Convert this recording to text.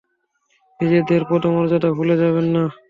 নিজেদের পদমর্যাদা ভুলে যাবেন না!